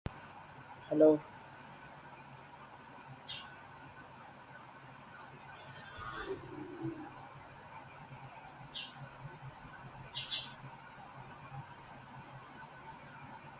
Placed at the top of Merger, it never ceases to drain pilgrims.